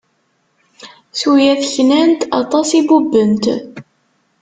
Tuyat, knant. Aṭas i bubbent.